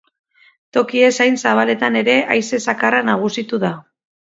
Toki ez hain zabaletan ere haize zakarra nagusitu da.